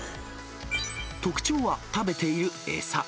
特徴は、食べている餌。